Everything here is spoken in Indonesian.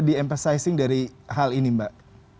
di empersizing dari hal ini mbak